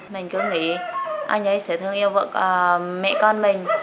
mình cứ nghĩ anh ấy sẽ thương yêu vợ mẹ con mình